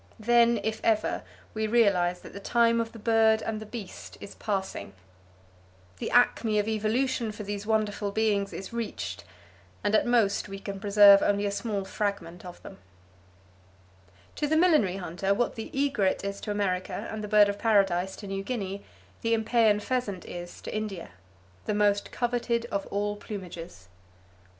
Then, if ever, we realize that the time of the bird and the beast is passing, the acme of evolution for these wonderful beings is reached, and at most we can preserve only a small fragment of them. PHEASANT SNARES Made of Yak Hair, Taken from a Shepherd in Nepal by Mr. Beebe To the millinery hunter, what the egret is to America, and the bird of paradise to New Guinea, the impeyan pheasant is to India—the most coveted of all plumages.